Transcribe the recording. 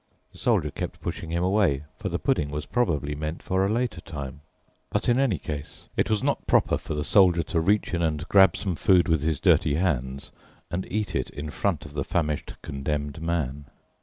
The Soldier kept pushing him away, for the pudding was probably meant for a later time, but in any case it was not proper for the Soldier to reach in and grab some food with his dirty hands and eat it in front of the famished Condemned Man.